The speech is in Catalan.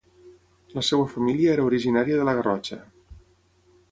La seva família era originària de la Garrotxa.